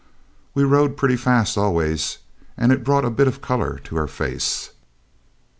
We rode pretty fast always, and it brought a bit of colour to her face.